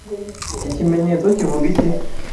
Iki kimenyetso kivuga iki?